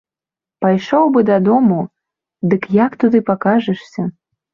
Пайшоў бы дадому, дык як туды пакажашся?